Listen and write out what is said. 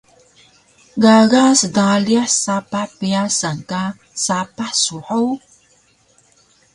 Gaga sdalih sapah pyasan ka sapah su hug?